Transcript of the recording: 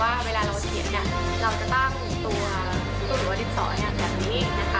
ว่าเวลาเราเขียนเราจะตั้งตัวหรือว่าลิฟท์สองแบบนี้